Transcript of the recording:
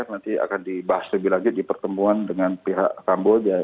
nanti akan dibahas lebih lanjut di pertemuan dengan pihak kamboja